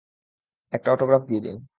একটা অটোগ্রাফ দিয়ে দিন।